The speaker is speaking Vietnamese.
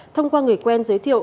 thông qua người quen giới thiệu